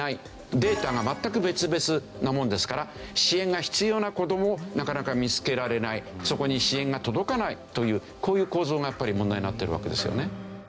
データが全く別々なものですから支援が必要な子どもをなかなか見つけられないそこに支援が届かないというこういう構造がやっぱり問題になっているわけですよね。